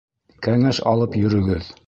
Кәңәш алып йөрөгөҙ;